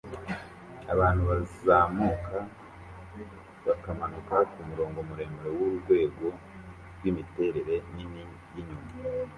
Abantu bazamuka bakamanuka kumurongo muremure wurwego rwimiterere nini yinyuma